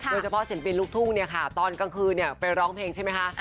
โดยเฉพาะศิลปินลูกทุ่งเนี่ยค่ะตอนกลางคืนเนี่ยไปร้องเพลงใช่ไหมคะ